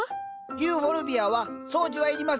ユーフォルビアは掃除はいりません。